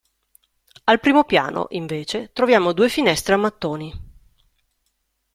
Al primo piano, invece, troviamo due finestre a mattoni.